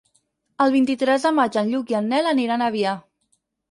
El vint-i-tres de maig en Lluc i en Nel aniran a Avià.